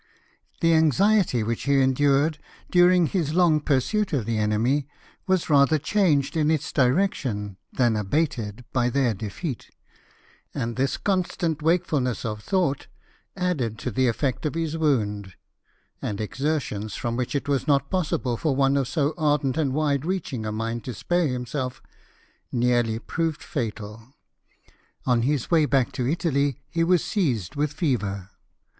The anxiety which he endured during his long pursuit of the enemy was rather changed in its direction than abated by their defeat; and this constant wakefuhiess of thought, ir>8 LIFE OF NELSON. added to the effect of his wound, and exertions from which it was not possible for one of so ardent and wide reaching a mind to spare himself, nearly proved fatal. On his way back to Italy he was seized with fever.